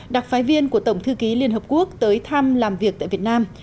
đặc phái viên của tổng thư ký liên hợp quốc tới thăm làm việc tại việt nam